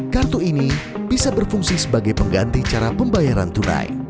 kartu ini bisa berfungsi sebagai pengganti cara pembayaran tunai